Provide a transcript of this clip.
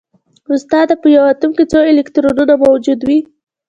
استاده په یو اتوم کې څو الکترونونه موجود وي